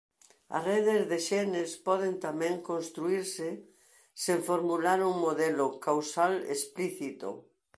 As redes de xenes poden tamén construírse sen formular un modelo causal explícito.